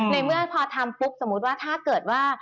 ในเมื่อพอทำปุ๊บสมมุติว่าถ้าเกิดว่า